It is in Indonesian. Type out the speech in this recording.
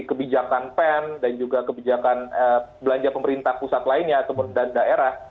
si kebijakan pen dan juga kebijakan belanja pemerintah pusat lainnya dan daerah